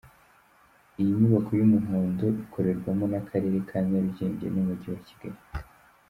Iyi nyubako y’ umuhondo ikorerwamo n’ akarere ka Nyarugenge n’ umugi wa Kigali.